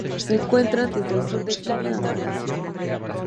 Se encuentran desde el sur de China a Malasia.